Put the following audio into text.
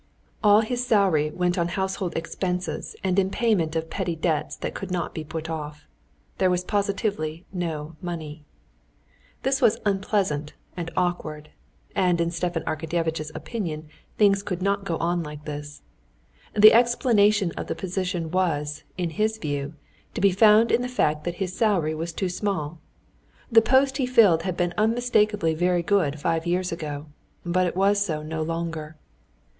All his salary went on household expenses and in payment of petty debts that could not be put off. There was positively no money. This was unpleasant and awkward, and in Stepan Arkadyevitch's opinion things could not go on like this. The explanation of the position was, in his view, to be found in the fact that his salary was too small. The post he filled had been unmistakably very good five years ago, but it was so no longer.